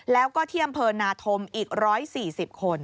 แล้วก็ที่อำเภอนาธมอีก๑๔๐คน